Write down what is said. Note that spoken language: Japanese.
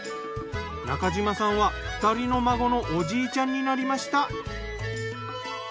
中嶋さんは２人の孫のおじいちゃんになりました。